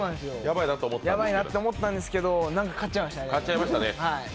やばいなと思ったんですけど何か買っちゃいましたね。